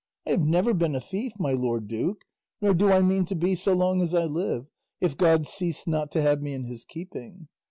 I have never been a thief, my lord duke, nor do I mean to be so long as I live, if God cease not to have me in his keeping.